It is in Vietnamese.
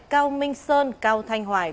cao minh sơn cao thanh hoài